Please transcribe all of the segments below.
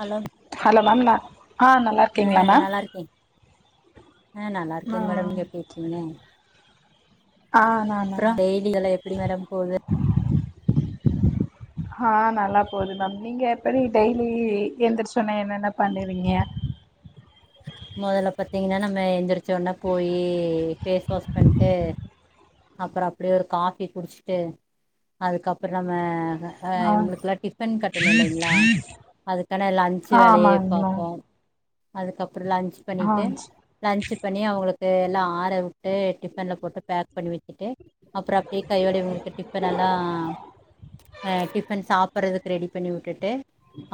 Hello hello ma'am நா ஆஹ நல்லா இருக்கீங்களா மேம். ஆஹ நல்லா ஆ இருக்கங்க மேடம் நீங்க எப்டியிருக்கீங்க. ஆ நா அப்புறோ நல்லா இருக்கேன் டெய்லிகளா எப்படி மேடம் போகுது. ஆஹ நல்லா போகுது மேம் நீங்க எப்படி டெய்லி எந்துரச்ச ஒன்னே என்னென்ன பண்ணுவீங்க. முதல்ல பாத்தீங்கன்னா நம். நம்ம எந்திரிச்சொன்னே போயி ஃபேஸ் வாஷ் பண்ணிட்டு. அப்புறோ அப்படியே ஒரு காஃபி குடிச்சிட்டு அதுக்கப்புறோ நம்ம. ஆஹ ஆ இவங்களுக்கெல்லா டிஃபன் கட்டணு இல்லைங்களா. அதுக்கான லன்ட்சு வேலைய ஆமாங்க மேம் பாப்போ. அதுக்கப். அப்புறோ லன்ச் ஆ பண்ணிட்டு. லன்ச் பண்ணி அவங்களுக்கு. டு எல்லா ஆற வுட்டு டிஃபன்ல போட்டு பேக் பண்ணி வச்சுட்டு. அப்புறோ அப்படியே கையோட இவங்களுக்கு டிஃப்பன் எல்லா. அ டிஃபன் சாப்புறதுக்கு ரெடி பண்ணி உட்டுட்டு.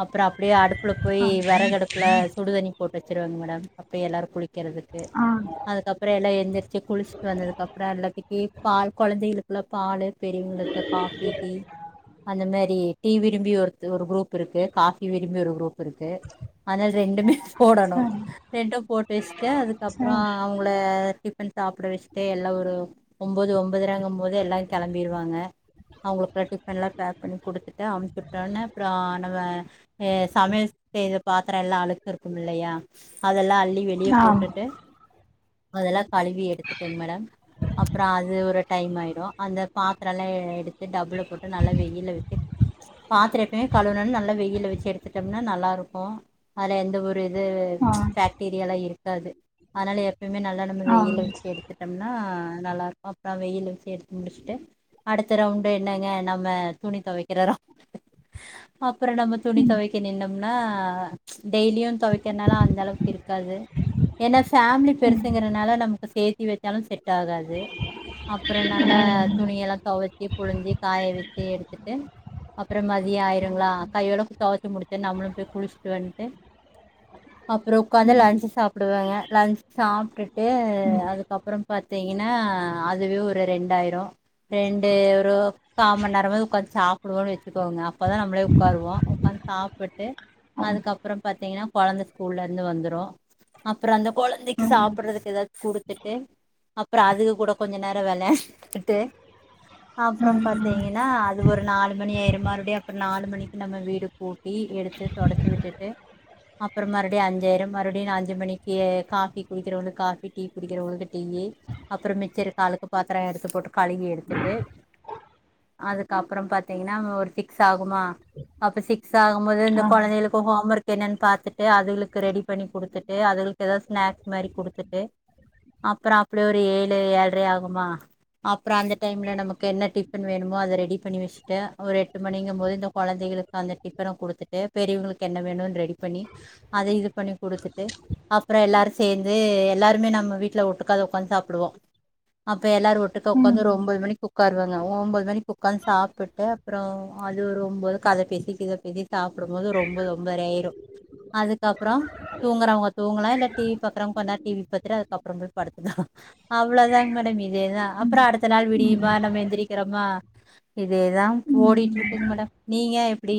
அப்புறோ அப்டியே அடுப்புல போய் ஆ வெறகடுப்புல சுடுதண்ணி. தொவச்சருவேங் மேடம். அப்டியே எல்லாரு குளி. வெக்கிறதுக்கு ஆ அதுக்கப்புறோம் எல்லாம் எந்திரிச்சு குளிச்சுட்டு வந்ததுக்கப்புறோம் எல்லாதிக்கு பால் கொழந்தைகளுக்கு நல்ல பாலு பெரியவங்களுக்கு காபி டீ அந்த மேரி டீ விரும்பி ஒரு ஒரு குரூப் இருக்கு காஃபி விரும்பி ஒரு குரூப் இருக்கு ஆனால் ரெண்டுமே போடணும் சரி ரெண்டும் போட்டு வச்சுட்டு அதுக்கப்புறோம் சரி அவுங்கள டிஃபன் சாப்ட வச்சுட்டு எல்லாம் ஒரு ஒன்பது ஒன்பதறங்கும் போது எல்லாம் கிளம்பிடுவாங்க அவங்களுக்குள்ளாம் டிஃபன் எல்லாம் பேக் பண்ணி குடுத்துட்டு அமுச்சு விட்டோனே அப்புறோம் நம்ம சமையல் செய்த பாத்திரம் எல்லாம் அழுக்குருக் இருக்கும் இல்லையா அதெல்லாம் அள்ளி வெளியே ஆ போட்டுட்டு அதெல்லாம் கழுவி எடுத்துட்டுங் மேடம் அப்புறோம் அது ஒரு டைம் ஆயிரும் அந்த பாத்திரலாம் எடுத்து டபு போட்டு நல்லா வெயில்ல வச்சு பாத்தரம் எப்பமே கழுவுனா நல்லா வெயில் வச்சு எடுத்துட்டம்னா நல்லா இருக்கும் அதுல எந்த ஒரு ஆ பேக்டீரியல்லாம் இருக் அண்டாது அதனால எப்பயுமே நல்லா நம்ம ஆ வெயில வச்சு எடுத்துட்டோம்னா நல்லா இருக்கும் அப்புறோம் வெயில்ல வச்சு எடுத்து முடிச்சுட்டு அடுத்த ரவுண்டு என்னங்க நம்ம துணி தொவைக்கிற ரவுண்டு அப்புறம் நம்ம துணி தொவைக்க நின்னோம்னா ச்சி டெய்லியும் தொவைக்கிறதுனால அந்த அளவுக்கு இருக்காது ஏன்னா ஃபேமிலி பெருசுங்கறனால நமக்கு சேத் இட்லி வெச்சாலும் சரி செட் ஆகாது அப்புறோம் நல்லா துணிய எல்லாம் துவச்சி புழிஞ்சி காய வச்சு எடுத்துட்டு அப்புறோம் மதியோம் ஆயிருங்களா கையோடு தொவைச்சு முடிச்சுட்டு நம்மளும் போய் குளிச்சிட்டு வந்துட்டு அப்புறோம் உக்காந்து லன்ச் சாப்பிடுவேங்க லன்ச் சாப்பிட்டுட்டு அதுக்கப்புறம் பாத்தீங்கன்னா அதுவே ஒரு ரெண்டாயிரம் ரெண்டு ஒரு கா மணி நேரமாவுது உக்காந்து சாப்பிடுவோன்னு வச்சுக்கோங்க அப்போதான் நம்மளே உக்காருவோம் உக்காந்து சாப்ட்டு ம் அதுக்கப்புறம் பாத்தீங்கன்னா கொழந்த ஸ்கூல்ல இருந்து வந்துரும் அப்புறம் அந்த ம் கொழந்தைக்கு ம் சாப்டுறதுக்கு ஏதாவது குடுத்து ட்டு அப்புறோம் அதுகுக கூட கொஞ்ச நேரம் வெளையாண்டுகிட்டு அப்புறோம் ம் பாத்தீங்கன்னா அது ஒரு நாலு மணி ஆயிரும் மறுபடியும் அப்புறோம் நாலு மணிக்கு நம்ம வீடு கூட்டி எடுத்து தொடச்சு விட்டுட்டு அப்புறோம் மறுபடியும் அஞ்சாயிரும் மறுபடியும் அஞ்சு மணிக்கு காபி குடிக்கிறவங்களுக்கு காபி டீ குடிக்கிறவங்களுக்கு டீய அப்புறோம் மிச்ச இருக்க அலுக்கு பாத்திரம் எடுத்து போட்டு கழுவி எடுத்துட்டு அதுக்கப்புறோம் பாத்தீங்கன்னா ஒரு சிக்ஸ் சிக்ஸ் ஆகுமா அப்ப சிக்ஸ் ஆகும்போது இந்த ஆ கொழந்தைகளுக்கு ஹோம் ஒர்க் என்னனு பார்த்துட்டு அதுளுக்கு ரெடி பண்ணி குடுத்துட்டு அதுகளுக்கு எதாவது ஸ்நாக்ஸ் மாரி குடுத்துட்டு அப்புறோம் அப்டியே ஒரு ஏழு ஏழரை ஆகுமா அப்புறோம் அந்த டைம்ல நமக்கு என்ன டிஃபன் வேணுமோ அத ரெடி பண்ணி வச்சுட்டு ஒரு எட்டு மணிங்க போது இந்த கொழந்தைகளுக்கு அந்த டிஃபன குடுத்துட்டு பெரியவங்களுக்கு என்ன வேணும் ரெடி பண்ணி அத இது பண்ணி கொடுத்துட்டு அப்புறோம் எல்லாரும் சேந்து எல்லாருமே நம்ம வீட்டுல ட்டு இருக்கத உக்காந்து சாப்பிடுவோம் அப் எல்லாரும் ஒட்டுக்காஒக்காந்து ம் ஒரு ஒம்பது மணி உட்காருவாங்க ஒம்பது மணிக்கு உக்கார்ந்து சாப்பிட்டு அப்புறம் அது ஒம்பது கதை பேசி கிதை பேசி சாப்பிடும்போது ஒம்போது ஒம்போதர ஆயிரும் அதுக்கப்புறம் தூங்குறவங்க தூங்கலாம் இல்ல டிவி பாக்குறவங்க கொஞ்ச நேரம் டிவி பத்துட்டு அதுக்கப்புறம் போய் படுத்துலாம் அவ்வளவுதாங்க மேடம் இதேதான் அப்புறம் அடுடுத்த எத்தனை நாள் விடியுமா நம்ம எந்திரிக்கிறோமா இதேதான் ஓடிட்டு இருக்குங் மேடம் நீங்க டி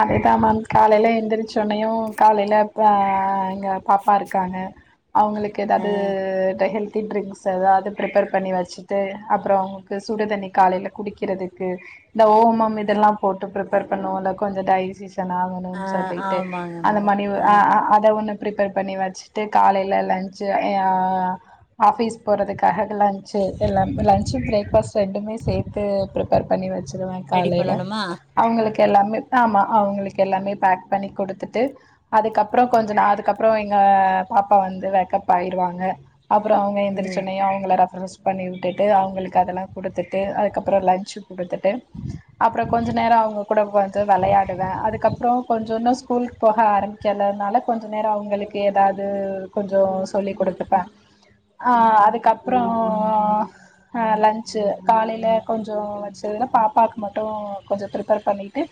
அதேதான் மேம் காலையில எந்திரிச்ச சொன்னையும் காலையில ஆஹ் பாப்பா இருக்காங்க அவங்களுக்கு ஆ ஏதாது ஹெ ல்த் ட்ரிங்க்ஸ் எதாது பிரிப்பர் பண்ணி வச்சுட்டு அப்புறம் அவங்களுக்கு சுடுதண்ணி காலையில் குடிக்கிறதுக்கு இந்த ஓமம் இதெல்லாம் போட் ப்ரிப்பேர் பண்ணுவோம் இல்ல கொஞ்சம் டைஜீசன் ஆ ணும்னு சொல்லிட்டு ஆமாங்க அத மேடம் மாரி ஆ அ அ அத ஒன்னு பிரிப்பர் பண்ணி வச்சுட்டு காலையில லஞ்ச் அ ஆபீஸ் போறதுக்காக லஞ்சு எல்லா லஞ்சு பிரேக் பாஸ்ட் ரெண்டுமே சேர்த்து பிரிப்பர் பண்ணி வச்சு ருவேன் ரெடி காலையில பண்ணணுமா ளுக்கு எல்லாமே ஆமா அவங்களுக்கு எல்லாமே பேக் பண்ணி கொடுத்துட்டு அதுக்கப்புறம் கொஞ்ச நா அதுக்கப்புறம் எங்க பாப்பா வந்து வேக்கப் ஆயிருவாங்க அப்புறம் அவங்க ம் எந்திரிச்சனையும் அவங்கள பிரஸ் பண்ணி விட்டுட்டு அவங்களுக்கு அதெல்லாம் குடுத்துட்டு அதுக்கப்புறம் லஞ்சு குடுத்துட்டு அப்புறம் கொஞ்சே நேரம் அவங்க கூட வந்து விளையாடுவேன் அதுக்கப்புறம் கொஞ்சம் இன்னும் ஸ்கூலு போக ஆரம்பிக்கலைனால கொஞ்சம் நேரம் அவங்களுக்கு எதாது கொஞ்சம் சொல்லிக் குடுத்துப்பேன் ஆஹ் அதுக்கப்புறம் லஞ்ச்சு காலையில் கொஞ்சே வச்சதுல பாப்பாவுக்கு மட்டும் கொஞ்சம் பிரிப்பர் பண்ணிட்டு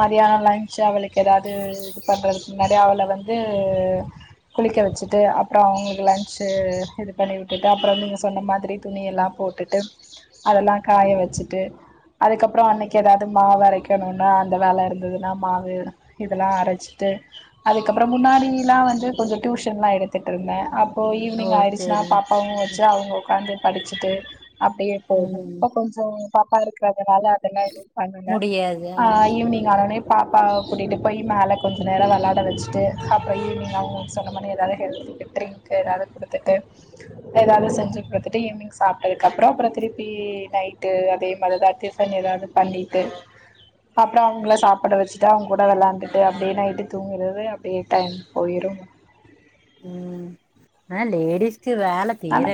மதியானம் லஞ்ச்சு அவளுக்கு எதாவது இது பண்றதுக்கு முன்னாடி அவளை வந்து குளிக்க வச்சுட்டு அப்புறம் அவங்களுக்கு லஞ்ச்சு இது பண்ணி விட்டுட்டு அப்புறம் நீங்கள் சொன்ன மாதிரி துணியெல்லாம் போட்டுட்டு அதெல்லாம் காய வச்சுட்டு அதுக்கப்புறம் அன்னைக்கு எதாவது மாவு அரைக்கணும்னா அந்த வேலை இருந்ததுன்னா மாவு இதெல்லாம் அரைச்சிட்டு அதுக்கப்புறம் முன்னாடிலாம் வந்து கொஞ்சம் டியூஷன்லாம் எடுத்துட்டு இருந்தேன் இப்போ ஓ ஈவினங் ஆயிடுச்சுனா சேரிங்க பாப்பாவும் வச்சு அவ உக்காந்து படிச்சு டு அப்ப எப்ப ம் இப்ப கொஞ்சோ பாப்பா இருக்க அதனால அதெல்லாம் இல்ல பண்ணல முடியாது ஆ ஆஹ் ஈவி்னிங் ஆனனே பாப்பாவை கூட்டிகிட்டு போய் மேலே கொஞ்சம் நேரம் விளையாட வச்சிட்டு அப்புறம் ஈவினிங் அவங்க சொன்ன மாரி எதாவது ஹெல்த்தி ட்ரிங்க்கு எதாவது கொடுத்துட்டு எதாவது செஞ்சு குடுத்துட்டு ஈவினிங் சாப்பிட்டதுக்க அப்றோம் திருப்பி நைட்டு அதேமாதிரி தான் டிஃபன் எதாவது பண்ணிட்டு அப்புறம் அவங்கள சாப்பிட வச்சுட்டு அவங்க கூட விளையாண்டுட்டு அப்டின்னு ஆயிட்டு தூங்கறது அப்டியே டைம் போயிடும் உம் ஆஹ் லேடிஸ் ஆனா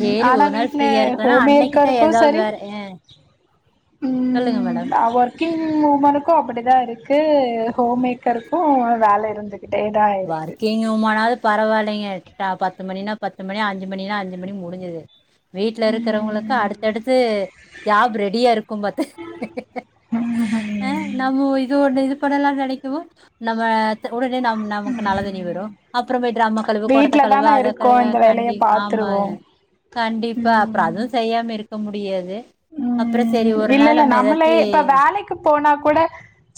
சேரி ஆனா ஒரு நாள் வீட்ல ஃப்ரீயா இருக்கனா ஹோம் அன்னைக்குதா மேக்கருக்கும் ஏதாவது சரி வேற அஹ் சொல்லுங்க மேடம் உம் ஒர்க்கிங் உமனுக்கும் அப்டிதான் இருக்கு உஹம் ஹோம் மேக்கருக்கும் வேலை இருந்து ஒர்க்கிங் உமனது பரவாயில்லைங்க டா பத்து மணினா பத்து மணி அஞ்சு மணினா அஞ்சு மணி முடிஞ்சது வீட்ல இருக்கிறவங்களுக்கு ம் அடுத்தடுத்து ஜாப் ரெடியா இருக்கும் பாத்து ஹ நம்ம இது ஒன்னு இது போடலாம் கடைக்குமோ நம்ம உடனே நம் இப்ப நல்ல தண்ணி வரும் அப்பறோ போய் ட்ரம்ம கழுவு கொடத்த வீட்ல கழுவு தான அத க இருக்கோ இந்த வேலைய கண்டி ஆமா பாத்துருவோ கண்டிப்பா அப்புற ம் அதுவும் செய்யாம இரு க்க முடியாது அப்புற சரி ம் ஒரு இல்ல நாள் இல்ல நம்ம நம்மளே ஏதாச்சி இப்ப வேலைக்கு போனா கூட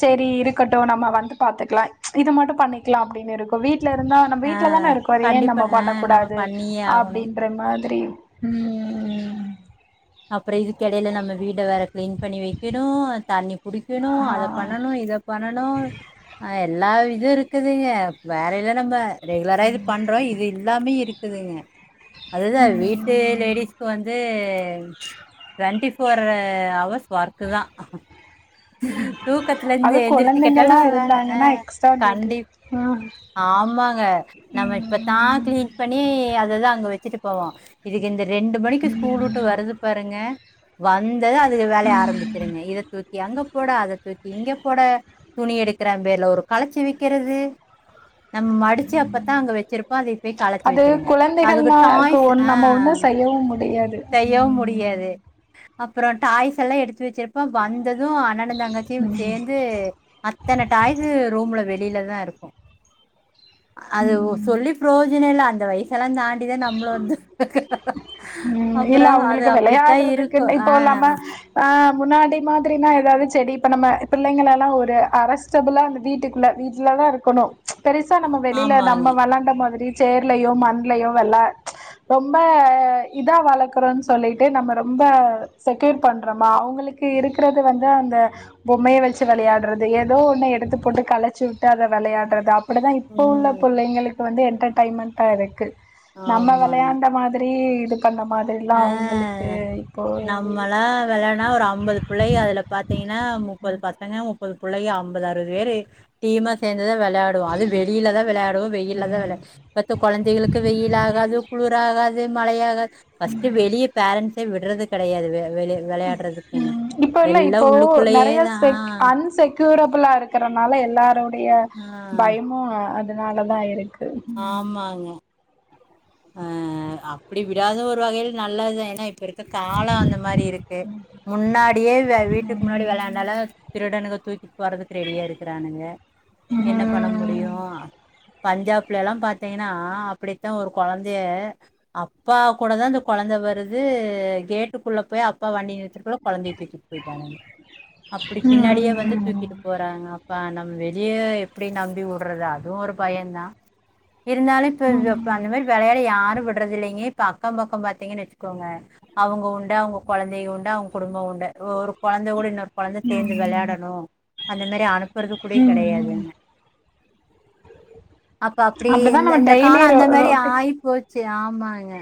சேரி இருக்கட்டும் நம்ம வந்து பாத்துக்கலாம் இது மட்டும் பண்ணிக்கலாம் அப்டின்னு இருக்கும் வீட் ல இருந்தா நம்ம ஆ வீட்ல தான இருக்கோ ஏன் கண்டிப்பா நம்ம ஆ நம்ம பண்ணக்கூடாது பண்ணியே ஆகணு அப்டின்ற மாதிரி ம்ம்ம் அப்புற இதுக்கெடைல நம்ம வீட வேற கிளீன் பண்ணி வைக்கணு அ தண்ணி புடிக்கணு ஆ. அத பண்ணனு இதப் ப னாலு ஆ எல்லா வீட் இது இருக்குதுங்க வேற எல்லா நம்ப ரெகுலரா இது பண்றோ இது எல்லாமே இருக்குதுங்க அதுதா வீட்டு ம். லேடிஸ்க்கு வந்து டைம் ட்வெண்ட்டி ஃபோர் ஹவர்ஸ் ஒர்க்குதா தூக்கத்துல இருந்து அதுவும் எந்துருச்சு கேட்டாலு குழந்தைங்கல்லா வேல ஆ இருந்தாங்கன்னா எக்ஸ்ட்ரா டியூட்டி கண்டிப் இருக்கு. ம். ஆமாங்க நம்ம இப்பத்தா ம். கிளீன் பண்ணி அதுதா அங்க வெச்சுட்டு போவம் இதுக் இந்த ரெண்டு மணிக்கு ஸ்கூல் உட்டு வருது ங்க வந்தது அதுக வேலைய ஆரம்பிச்சுருங்க இத தூக்கி அங்கப் போட அத தூக்கி இங்க போட துணி எடுக்கிறங் பேர்ல ஒரு களைச்சி வைக்கிறது நம் மடுச்சு அப்பத்தா அங்க வெச்சுருப்போ அதை போய் களச்சு அது வெச்சுருங்க அதுக்கு குழந்தைகள்னா கு டாய்ஸ் ஒன் ஆ நம்ம ஒண்ணும் செய்யவும் முடியாது. செய்யவு முடி ம். அப்புற டாய்ஸ் எல்லா எடுத்து வச்சுருப்போ வந் இருந்ததும் அண்ணணு தங்கச்சியும் சேந்து அத்தனை டாய்ஸ் ரூம்ல வே வெளிலதா இருக்கோ அது ஒ ம். சொல்லி புரோஜ் இல்லல்ல அந்த வயிசு எல்லாந் தாண் தாண்டி தா நம்மளு வந்து அப்புறோ அது அப் வெளையாடுறதுக்குன்னு இப்போ இல்லாம ஆ முன்னாடி மாதிரினா எதாவதுச் செடி இப்ப நம்ம புள்ளைங்கலெல்லா ஒரு அரஸ்டபுளா அந்த வீட்டுக்குள்ள வீட்லதா இருக்கணு பெருசா நம்ம வெளில நம்ம ஆமாங்க வெளாண்ட மாதிரி சேர்லையோ மண்லயோ வெள ம்ச் ரொம்ப இதா வளக்குறோன் சொல்லிட்டு நம்ம ரொம்ப செக்யூர் பண்றமா அவங்களுக்கு இருக்குறது வந்து அந்த பொம்மைய வெச்சு வெளையாடுறது எதோ ஒண்ணு எடுத்து போட்டு களச்சு வுட்டு அத வெளையாடுறது அப் [unintelligible] இப்போ உள்ள உம் புள்ளைங்களுக் இப்போ வந்து என்டர்டெயன்மெண்ட்டா இருக்கு நம்ம ஆமாங்க விளையாண்ட மாதி [unintelligible] ஆஹ் நம்மல்லாம் விளனா ஒரு ஐம்பது பிள்ளைய அதுல பார்த்தீங்கன்னா முப்பது பசங்க மு ப்பது பிள்ளைைய ஐம்பது அறுபது பேர் டீமா சேர் ந்து தான் விளையாடுவோம் அது வெளியில தான் விளையாடுவோம் வெயில்ல தான் விளையா பெத்த குழந்தைகளுக்கும் வெயில் ஆகாது குளிராகா து மழையாக பஸ் டு வெளிய பேரன்ண்ட்ஸை விடுறது கிடையாது இப்ப இல்ல இப்போ உள்ளுக்குள்ளயே நறைய தா செக் அன்செக்யூரபுளா இருக்கனால எல்லாரோ டைய ஆ பயமும் அதனாலதான் இருக்கு ஆமாங்க ஆஹ் அப்படி விடாத ஒரு வகையில நல்லதுதான் ஏன்னா இப்ப இருக் க காலம் அந்த மாரி இருக்கு முன்னாடியே வீட்டுக்கு முன்னாடி ம் விளையாண்டாலும் திருடனுங்க தூக்கிட்டு போறதுக்கு ரெடியா இருக்கிறானுங்க என்ன ம் பண்ண முடியும் பஞ்சாப்ல எல்லாம் பார்த்தீங்கன்னா அப்படித்தான் ஒரு குழந்தைய அப்பா கூடதான் அந்த குழந்தை வருது கேட்டுக்குள்ள போய் அப்பா வண்டி நிறுத்துக்குள்ள குழந்தைய தூக்கிட்டு போயிட்டானுங்க அப்படி பின்னாடியே வந்து தூக்கிட்டு போறாங்க இப்ப நம்ம வெளியே எப்படி நம்பி வுடுறது அதுவும் ஒரு பயம் தான் இருந்தாலும் ம் இப்ப அந்த ம் மாரி யாரு விடுறது இல்லைங்க பக்கம் பக்கம் பார்த்தீங்கன்னு வச்சுக்கோங்க அவுங்க உண்டு அவுங்க குழந்தைங்க உண்டு அவுங்க குடும்பம் உண் டு ஒரு குழந்தை கூட இன்னொரு குழந்தை சேர்ந்து ம் விளையாடணும் அந்த மாரி அனுப்புறது கூட ம் கிடையாதுங்க அப்ப அப்படி அப்படிதான் இந்த நம்ம இந்த டெய்லி காலம் அந்த மாதிரி ரோட்டி ஆயி போச்சு ஆமாங்க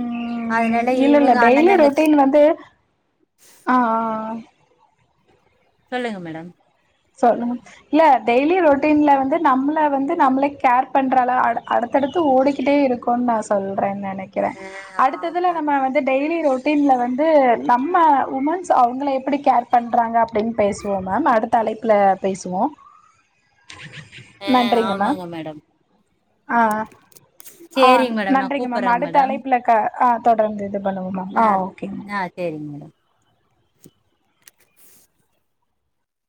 உம் அதனால இல்ல இல்ல இவங்க அண்ணன் டெய்லி தங்கச்சி ரோட்டீன் வந்து ஆஹ்ஹ் சொல்லுங்க மேடம் சொல்லுங்க இல்ல டெய்லி ரொட்டீன்ல வந்து நம்மள வந்து நம்மளே கேர் பண்றால அடுத்தடுத்து ஓடிக்கிட்டே இருக்கோம்ன்னு நான் சொல்றேன் நனைக் கிறேன் ஆ அடுத்த இதுல நம்ம வந்து டெய்லி ரோட்டீன்ல வந்து நம்ம உமன்ஸ் அவுங்கள எப்படி கேர் பண்றாங்க உம் பேசுவோம் மேம் அடுத் தலைப்புல பேசுவோம் ஆ, நன்றிங்க மேம் ஆமாங்க மேடம் ஆஹ் ஆஹ் சரிங்க மேடம் நான் நன்றிங்க மேம் கூப்பிடுறேங்க அடுத்த மேடம் அழைப்பல க ஆஹ் தொடர்ந்து இது பண்ணுவோம் மேம் ஆ ஆஹ் ஓகே மேம் ஆ சரிங்க மேடம்